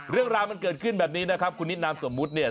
เรื่องราวมันเกิดขึ้นแบบนี้นะครับคุณนิดนามสมมุติเนี่ย